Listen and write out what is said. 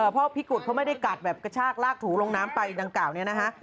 พอพี่กุฐเขาไม่ได้กัดแบบกระชากลากถูลงไปทางกาวนี้นะฮะ